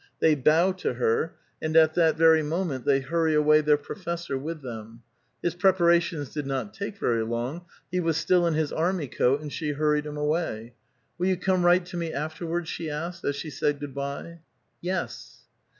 They bow to her, and at that very moment they hurry away their professor with them. His preparations did not take very long ; he was still in his army coat, and she hurried him awa}'. *' Will you come right to me afterwards ?" she asked, as she said good by. *' Yes."